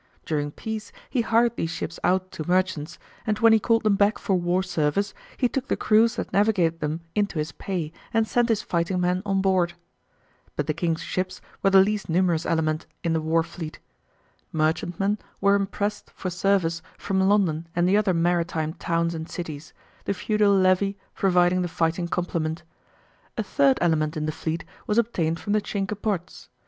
During peace he hired these ships out to merchants, and when he called them back for war service he took the crews that navigated them into his pay, and sent his fighting men on board. But the King's ships were the least numerous element in the war fleet. Merchantmen were impressed for service from London and the other maritime towns and cities, the feudal levy providing the fighting complement. A third element in the fleet was obtained from the Cinque Ports.